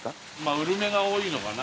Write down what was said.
ウルメが多いのかな。